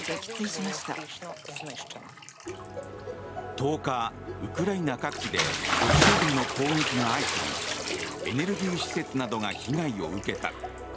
１０日、ウクライナ各地でロシア軍の攻撃が相次ぎエネルギー施設などが被害を受けた。